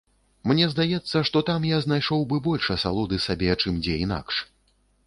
Мне здаецца, што там я знайшоў бы больш асалоды сабе, чым дзе інакш.